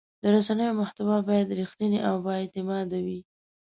د رسنیو محتوا باید رښتینې او بااعتماده وي.